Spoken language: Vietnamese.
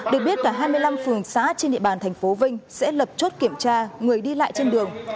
được biết cả hai mươi năm phường xã trên địa bàn tp vinh sẽ lập chốt kiểm tra người đi lại trên đường